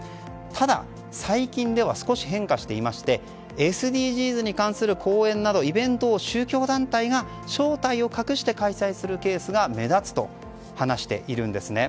ただ、最近では少し変化していましてＳＤＧｓに関する講演などイベントを宗教団体が正体を隠して開催するケースが目立つと話しているんですね。